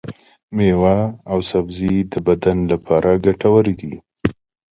ميوې او سبزي د بدن لپاره ګټورې دي.